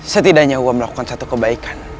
setidaknya gua melakukan satu kebaikan